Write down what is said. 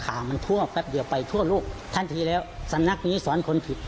ข่าวมันทั่วแป๊บเดียวไปทั่วโลกทันทีแล้วสำนักนี้สอนคนผิด